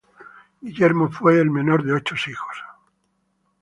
Guillermo fue el menor de ocho hijos.